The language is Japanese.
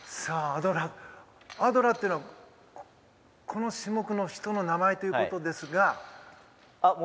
アドラーっていうのはこの種目の人の名前ということですが。